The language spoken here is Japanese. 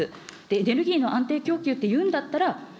エネルギーの安定供給っていうんだったら、１００％